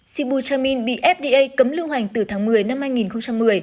sibujamin bị fda cấm lưu hành từ tháng một mươi năm hai nghìn một mươi